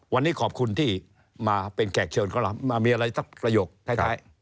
วันนี้ขอบคุณที่มาเป็นแก่เชิญของเรามีอะไรประโยคใคร